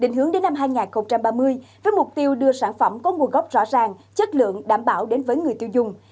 định hướng đến năm hai nghìn ba mươi với mục tiêu đưa sản phẩm có nguồn gốc rõ ràng chất lượng đảm bảo đến với người tiêu dùng